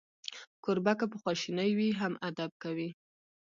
کوربه که په خواشینۍ وي، هم ادب کوي.